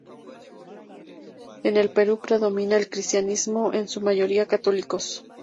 En el Perú predomina el cristianismo, en su mayoría católicos.